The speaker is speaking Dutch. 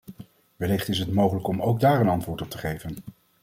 Wellicht is het mogelijk om ook daar een antwoord op te geven.